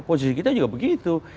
posisi kita juga begitu